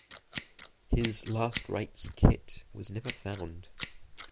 His last rites kit was never found.